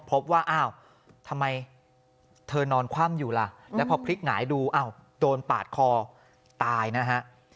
พบว่าอ้าวทำไมเธอนอนคว่ำอยู่ล่ะแล้วพอพลิกหงายดูอ้าวโดนปาดคอตายนะฮะ